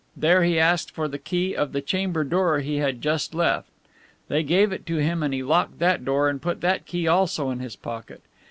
There he asked for the key of the chamber door he had just left. They gave it to him and he locked that door and put that key also in his pocket.